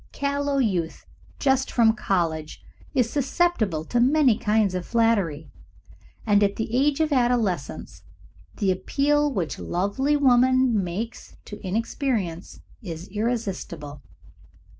Callow youth just from college is susceptible to many kinds of flattery, and at the age of adolescence the appeal which lovely woman makes to inexperience is irresistible.